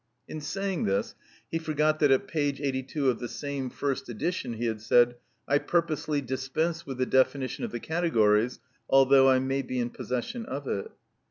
In saying this he forgot that at p. 82 of the same first edition he had said: "I purposely dispense with the definition of the categories although I may be in possession of it."